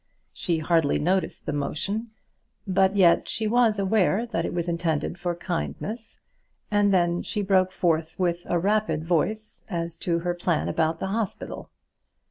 She hardly noticed the motion, but yet she was aware that it was intended for kindness, and then she broke forth with a rapid voice as to her plan about the hospital.